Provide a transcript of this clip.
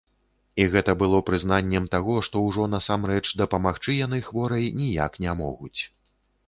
І гэта было прызнаннем таго, што ўжо насамрэч дапамагчы яны хворай ніяк не могуць.